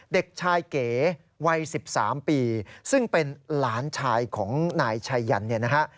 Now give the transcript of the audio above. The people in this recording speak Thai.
เด็กชายเก๋วัย๑๓ปีซึ่งเป็นหลานชายของนายชัยยันเนี่ยนะฮะ